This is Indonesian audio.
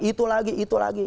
itu lagi itu lagi